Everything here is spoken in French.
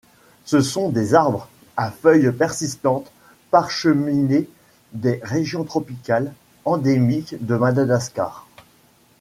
Ce sont des arbres, à feuilles persistantes, parcheminées, des régions tropicales, endémiques de Madagascar.